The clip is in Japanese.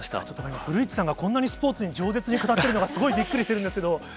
ちょっと古市さんがこんなにスポーツにじょう舌に語ってるのが、すごいびっくりしてるんですけど。